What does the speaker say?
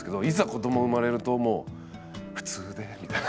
子ども生まれるともう普通でみたいな。